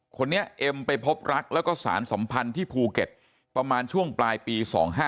เอ็มไปพบรักแล้วก็สารสัมพันธ์ที่ภูเก็ตประมาณช่วงปลายปี๒๕๖